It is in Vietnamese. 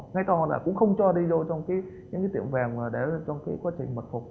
ngay to là cũng không cho đi vô trong những tiệm vàng để trong quá trình mật hụt